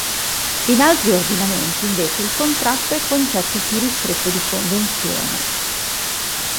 In altri ordinamenti, invece, il contratto è concetto più ristretto di convenzione.